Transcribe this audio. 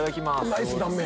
ナイス断面！